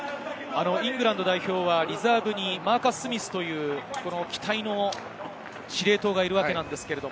イングランド代表はリザーブにマーカス・スミスという期待の司令塔がいるわけです。